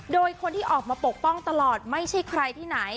โดยคนที่ออกมาปกป้องตลอดไม่ใช่ใครที่ไหน